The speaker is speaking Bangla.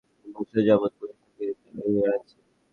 প্রশাসন তার ভুল শোধরালেও চার বছর যাবৎ পুলিশ তাঁকে তাড়িয়ে বেড়াচ্ছে।